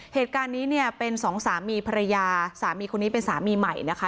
เหตุการณ์นี้เนี่ยเป็นสองสามีภรรยาสามีคนนี้เป็นสามีใหม่นะคะ